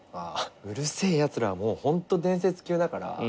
『うる星やつら』はもうホント伝説級だから。